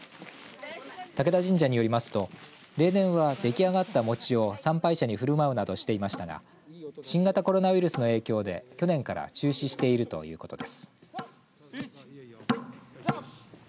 武田神社によりますと例年は出来上がった餅を参拝者にふるまうなどしていましたが新型コロナウイルスの影響で去年から中止しているということです。